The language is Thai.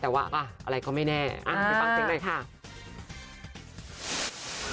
แต่ว่าอะไรก็ไม่แน่ไปฟังเสียงหน่อยค่ะ